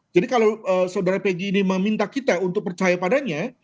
jadi kalau saudara pegi ini meminta kita untuk percaya padanya